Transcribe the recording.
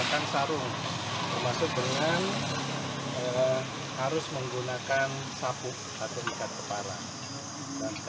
kita para penunjung diwajibkan untuk menggunakan pakaian adat